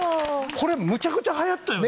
これむちゃくちゃ流行ったよね？